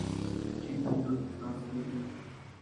جیپ دو دیفرانسیلی